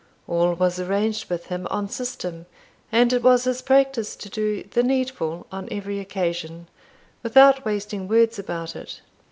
All was arranged with him on system, and it was his practice to do "the needful" on every occasion, without wasting words about it.